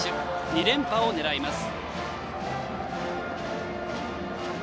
２連覇を狙います。